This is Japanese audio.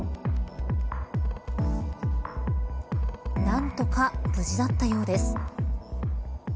何とか無事だったようです。